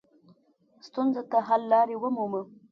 ستونزو ته حل لارې ومومو.